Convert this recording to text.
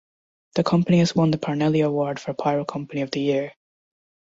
The company has won the Parnelli award for Pyro Company of the Year.